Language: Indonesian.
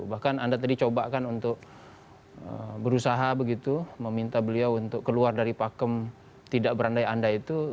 bahkan anda tadi coba kan untuk berusaha begitu meminta beliau untuk keluar dari pakem tidak berandai andai itu